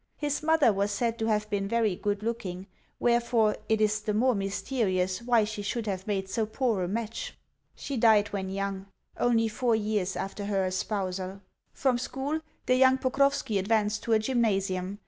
His mother was said to have been very good looking; wherefore, it is the more mysterious why she should have made so poor a match. She died when young only four years after her espousal. From school the young Pokrovski advanced to a gymnasium, [Secondary school.